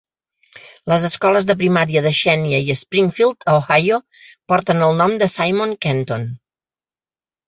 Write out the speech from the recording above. Les escoles de primària de Xenia i Springfield, a Ohio, porten el nom de Simon Kenton.